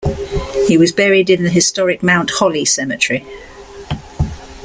He was buried in the historic Mount Holly Cemetery.